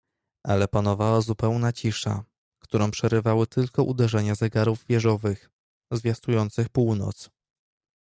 "Ale panowała zupełna cisza, którą przerywały tylko uderzenia zegarów wieżowych, zwiastujących północ."